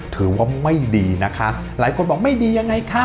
ถือว่าไม่ดีนะคะหลายคนบอกไม่ดียังไงคะ